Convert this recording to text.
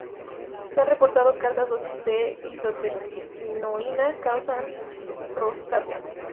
Se ha reportado que altas dosis de isotretinoína causan rosácea.